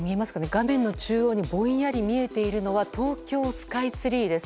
画面の中央にぼんやり見えているのは東京スカイツリーです。